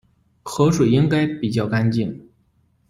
河水应该比较干净